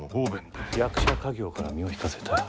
役者稼業から身を引かせたい。